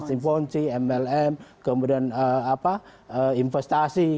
simponsi mlm kemudian investasi